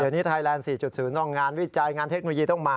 เดี๋ยวนี้ไทยแลนด์๔๐ต้องงานวิจัยงานเทคโนโลยีต้องมา